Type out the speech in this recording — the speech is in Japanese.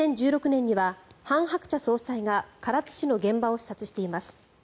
２０１６年にはハン・ハクチャ総裁が唐津市の現場を視察しています。